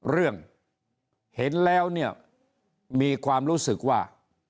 เรื่องเห็นแล้วมีความรู้สึกว่า